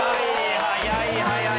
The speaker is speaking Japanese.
早い早い。